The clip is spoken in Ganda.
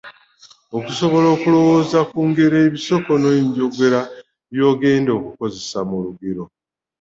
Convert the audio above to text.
Osobola okulowooza ku ngero ebisoko nenjogera by’ogenda okukozesa mu lugero.